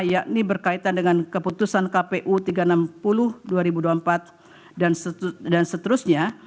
yakni berkaitan dengan keputusan kpu tiga ratus enam puluh dua ribu dua puluh empat dan seterusnya